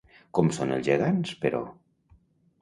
Com són els gegants, però?